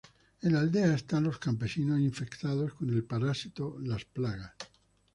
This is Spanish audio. En la aldea están los campesinos infectados con el parásito "Las Plagas".